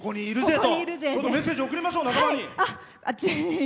何かメッセージ送りましょう、仲間に。